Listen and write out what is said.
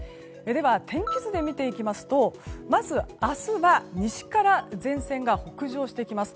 天気図で見ていきますとまず明日は西から前線が北上してきます。